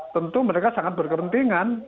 tentu mereka sangat berkepentingan